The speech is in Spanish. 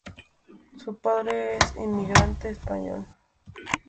Su padre es inmigrante español.